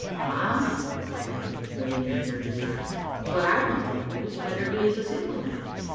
" "Ah," said Babbie, waving the Church aside, "what I want to know is whether he is a single man.